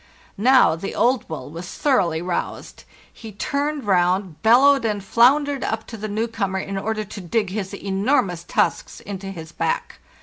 Now the old bull was thoroughly roused. He turned round, bellowed, and floundered up to the new comer in order to dig his enormous tusks into his back.